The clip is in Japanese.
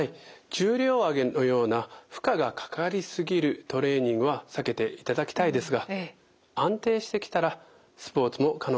重量挙げのような負荷がかかりすぎるトレーニングは避けていただきたいですが安定してきたらスポーツも可能になります。